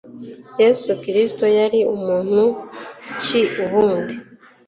yesu kristo yari muntu ki ubundi